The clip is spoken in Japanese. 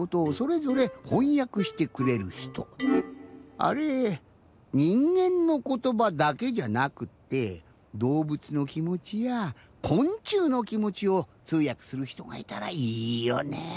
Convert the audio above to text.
あれにんげんのことばだけじゃなくってどうぶつのきもちやこんちゅうのきもちをつうやくするひとがいたらいいよね。